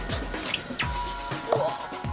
「うわっ」